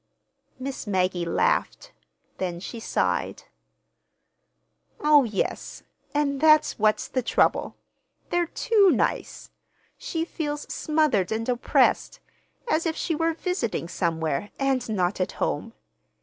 Miss Maggie laughed. Then she sighed. "Oh, yes—and that's what's the trouble. They're too nice. She feels smothered and oppressed—as if she were visiting somewhere, and not at home.